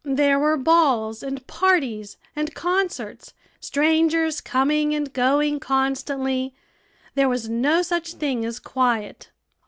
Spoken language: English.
There were balls, and parties, and concerts, strangers coming and going constantly; there was no such thing as quiet.